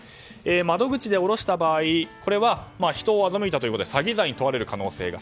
窓口で下した場合これは人を欺いたということで詐欺罪に問われる可能性が。